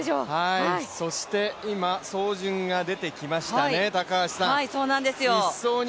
そして今走順が出てきましたね。